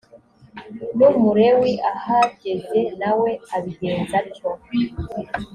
n umulewi ahageze na we abigenza atyo